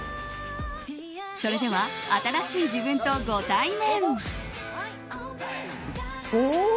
それでは、新しい自分とご対面！